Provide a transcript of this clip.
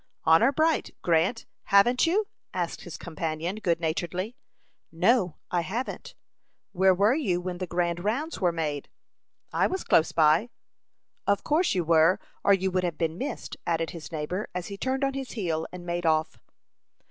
"Honor bright, Grant, haven't you?" asked his companion, good naturedly. "No, I haven't." "Where were you when the grand rounds were made?" "I was close by." "Of course you were, or you would have been missed," added his neighbor, as he turned on his heel and made off.